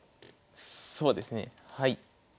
そうですねはい。